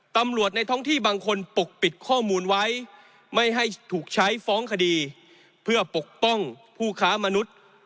ในท้องที่บางคนปกปิดข้อมูลไว้ไม่ให้ถูกใช้ฟ้องคดีเพื่อปกป้องผู้ค้ามนุษย์